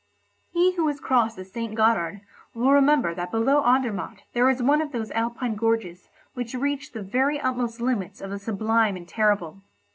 He who has crossed the St. Gothard will remember that below Andermatt there is one of those Alpine gorges which reach the very utmost limits of the sublime and terrible.